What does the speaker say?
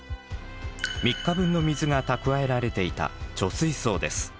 ３日分の水が蓄えられていた貯水槽です。